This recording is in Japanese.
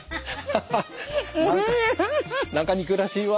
何かにくらしいわ。